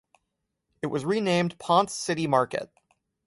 It was renamed Ponce City Market.